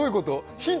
ヒント